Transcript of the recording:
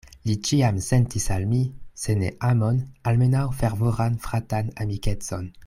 Li ĉiam sentis al mi, se ne amon, almenaŭ fervoran fratan amikecon.